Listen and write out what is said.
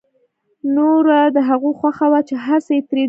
نوره د هغوی خوښه وه چې هر څه یې ترې جوړول